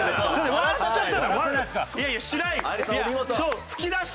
笑っちゃった。